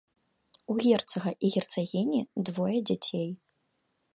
У герцага і герцагіні двое дзяцей.